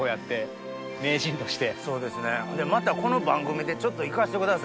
またこの番組でちょっと行かせてください。